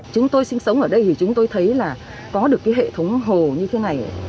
chúng tôi sinh sống ở đây thì chúng tôi thấy là có được cái hệ thống hồ như thế này